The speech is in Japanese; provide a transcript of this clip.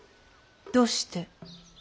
どうして？